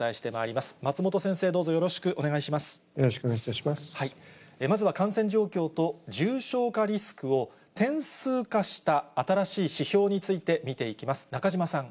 まずは感染状況と、重症化リスクを、点数化した新しい指標について見ていきます。